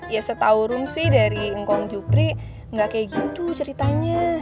ya setau rom sih dari ngkong jupri gak kaya gitu ceritanya